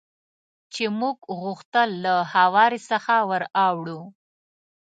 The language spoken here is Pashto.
چې موږ غوښتل له هوارې څخه ور اوړو.